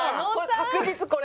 確実これ。